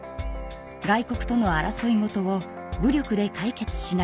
外国との争いごとを武力で解決しない。